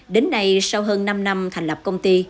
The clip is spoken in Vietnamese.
đến nay sau hơn năm năm thành lập công ty